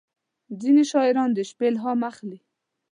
• ځینې شاعران د شپې الهام اخلي.